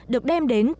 được đem đến